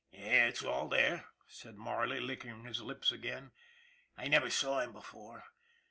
" It's all there," said Marley, licking his lips again. " I never saw him before.